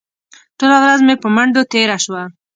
ټوله ورځ مې په منډو تېره شوه.